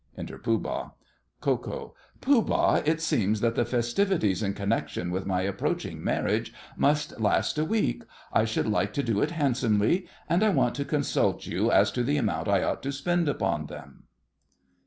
Enter Pooh Bah. KO. Pooh Bah, it seems that the festivities in connection with my approaching marriage must last a week. I should like to do it handsomely, and I want to consult you as to the amount I ought to spend upon them.